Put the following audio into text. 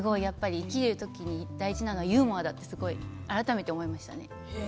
生きる時に大事なのはユーモアだって改めて思いましたね。